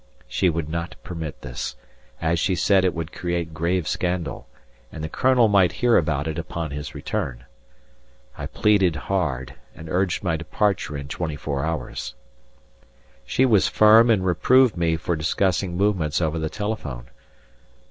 She would not permit this, as she said it would create grave scandal, and the Colonel might hear about it upon his return. I pleaded hard and urged my departure in twenty four hours. She was firm and reproved me for discussing movements over the telephone.